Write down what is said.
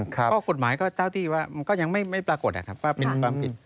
ข้อกฎหมายก็เท่าที่ว่ามันก็ยังไม่ปรากฏว่าเป็นความผิด